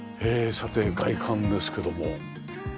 さて外観ですけども。